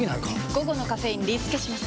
午後のカフェインリスケします！